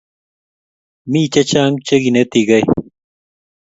Mi chechang' che kenetikey